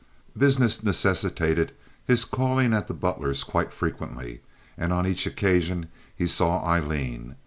Business necessitated his calling at the Butlers' quite frequently, and on each occasion he saw Aileen.